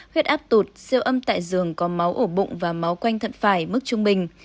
huyết áp tụt siêu âm tại giường có máu ở bụng và máu quanh thận phải mức trung bình